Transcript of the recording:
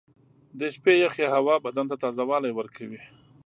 • د شپې یخې هوا بدن ته تازهوالی ورکوي.